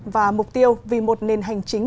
và mục tiêu vì một nền hành chính